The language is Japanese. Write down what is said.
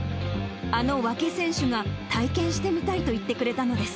あの和氣選手が、体験してみたいと言ってくれたのです。